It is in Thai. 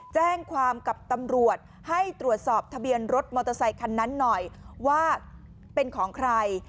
แจ้งความกับตำรวจให้ตรวจสอบทะเบียนรถมอเตอร์ไซคันนั้นหน่อยว่าเป็นของใคร